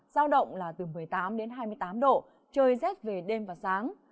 giao động là từ một mươi tám đến hai mươi tám độ trời rét về đêm và sáng